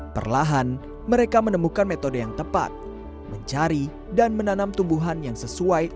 perlahan mereka menemukan metode yang tepat mencari dan menanam tumbuhan yang sesuai